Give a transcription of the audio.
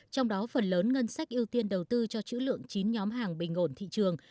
trong đó phần lớn ngân sách ưu tiên đầu tư cho chữ lượng chín nhóm hàng bình ổn thị trường